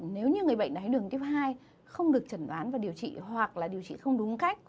nếu như người bệnh đáy đường thứ hai không được chẩn đoán và điều trị hoặc là điều trị không đúng cách